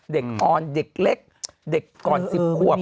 เด็กอ่อนเด็กเล็กเด็กก่อน๑๐ขวบ